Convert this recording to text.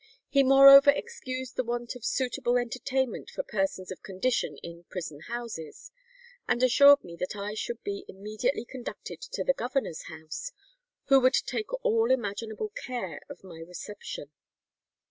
"He moreover excused the want of suitable entertainment for persons of condition in prison houses, and assured me that I should be immediately conducted to the governor's house, who would take all imaginable care of my reception.